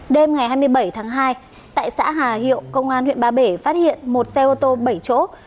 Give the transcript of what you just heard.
đêm ngày hai mươi bảy tháng hai tại xã hà hiệu công an huyện ba bể phát hiện một xe ô tô bảy chỗ